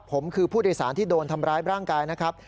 ผมคือผู้โดยสารที่โดนทำร้ายร่างกายนะครับ